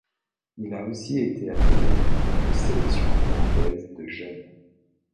Il a aussi été appelé dans des sélections hollandaises de jeunes.